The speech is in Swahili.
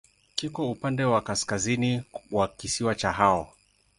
Kiko upande wa kaskazini wa kisiwa cha Hao.